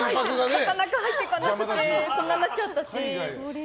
なかなか入っていかなくてこんなんなっちゃったし。